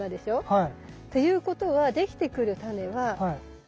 はい。